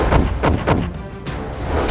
ayo kita berdua